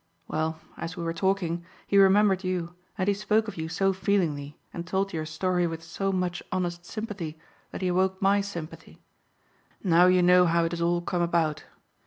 Well, as we were talking, he remembered you, and he spoke of you so feelingly and told your story with so much honest sympathy that he awoke my sympathy. Now you know how it has all come about.